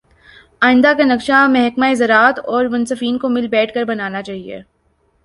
آئندہ کا نقشہ محکمہ زراعت اورمنصفین کو مل بیٹھ کر بنانا چاہیے